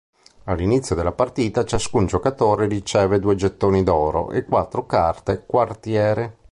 All'inizio della partita ciascun giocatore riceve due gettoni d'oro e quattro carte quartiere.